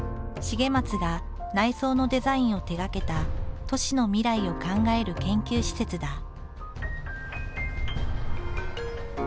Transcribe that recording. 重松が内装のデザインを手がけた都市の未来を考える研究施設だ。